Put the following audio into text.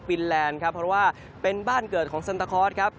แลนด์ครับเพราะว่าเป็นบ้านเกิดของซันตาคอร์สครับ